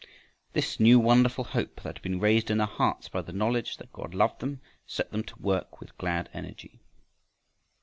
This new wonderful hope that had been raised in their hearts by the knowledge that God loved them set them to work with glad energy.